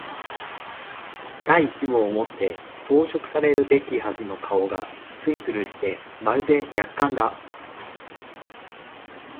第一毛をもって装飾されるべきはずの顔がつるつるしてまるで薬缶だ